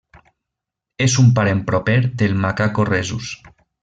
És un parent proper del macaco rhesus.